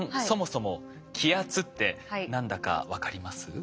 そもそも気圧って何だか分かります？